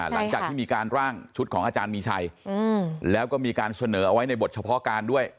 หลังจากที่มีการร่างชุดของอาจารย์มีชัยแล้วก็มีการเสนอเอาไว้ในบทเฉพาะการด้วย